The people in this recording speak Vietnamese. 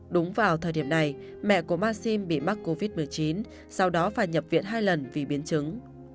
đúng vào thời điểm này mẹ của ma sim bị mắc covid một mươi chín sau đó phải nhập viện hai lần vì biến chứng